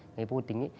người vô tính